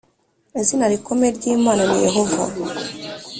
izina rikomeye ry’imana ni yehova